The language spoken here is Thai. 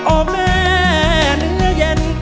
โอ้แม่เนื้อเย็น